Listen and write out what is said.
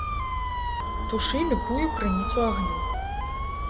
Тушы любую крыніцу агню.